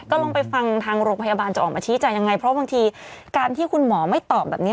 ลองไปฟังทางโรงพยาบาลจะออกมาชี้แจงยังไงเพราะบางทีการที่คุณหมอไม่ตอบแบบนี้